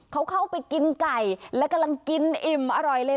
เขาเข้าไปกินไก่และกำลังกินอิ่มอร่อยเลย